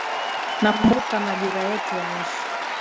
Nakumbuka majira yetu ya mwisho